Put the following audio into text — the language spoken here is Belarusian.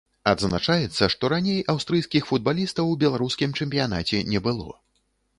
Адзначаецца, што раней аўстрыйскіх футбалістаў у беларускім чэмпіянаце не было.